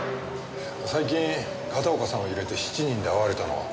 最近片岡さんを入れて７人で会われたのは？